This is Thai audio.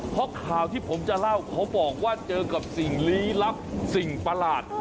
เพราะข่าวที่ผมจะเล่าเขาบอกว่าเจอกับสิ่งลี้ลับสิ่งประหลาด